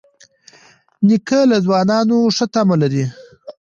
نیکه له ځوانانو ښه تمه لري.